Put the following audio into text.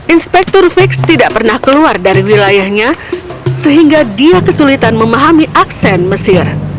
inspektur fix tidak pernah keluar dari wilayahnya sehingga dia kesulitan memahami aksen mesir